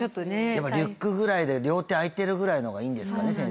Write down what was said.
リュックぐらいで両手空いてるぐらいの方がいいんですかね